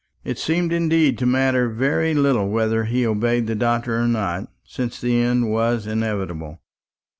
It seemed indeed to matter very little whether he obeyed the doctor or not, since the end was inevitable.